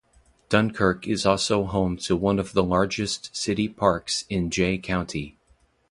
Dunkirk is also home to one of the largest city parks in Jay County.